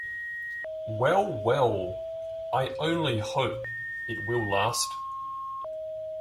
Well, well, I only hope it will last.